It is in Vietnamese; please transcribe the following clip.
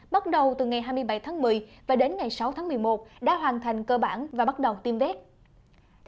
bắt đầu từ ngày hai mươi bảy tháng một mươi và đến ngày sáu tháng một mươi một đã hoàn thành cơ bản và bắt đầu tiêm vét